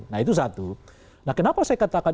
nah itu satu nah kenapa saya katakan